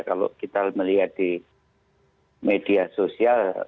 kalau kita melihat di media sosial